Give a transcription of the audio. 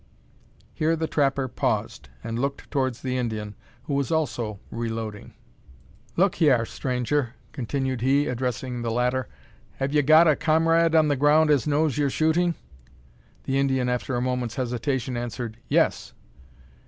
Here the trapper paused, and looked towards the Indian, who was also reloading. "Look hyar, stranger!" continued he, addressing the latter, "have ye got a cummarade on the ground as knows yer shooting?" The Indian after a moment's hesitation, answered, "Yes."